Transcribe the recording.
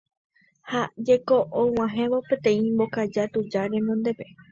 Ha jeko og̃uahẽvo peteĩ mbokaja tuja renondépe.